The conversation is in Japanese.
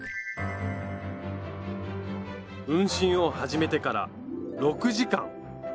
運針を始めてから６時間！